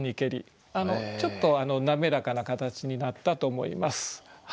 ちょっと滑らかな形になったと思います。